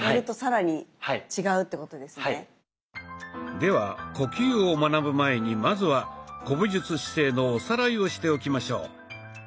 では呼吸を学ぶ前にまずは古武術姿勢のおさらいをしておきましょう。